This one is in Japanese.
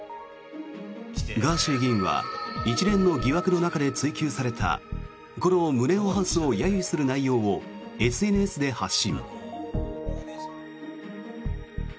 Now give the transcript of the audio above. ガーシー議員は一連の疑惑の中で追及されたこのムネオハウスを揶揄する内容をＳＮＳで発信。